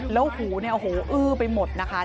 แล้วหูอื้อไปหมดนะคะ